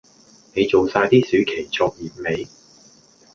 你做曬啲暑期作業未？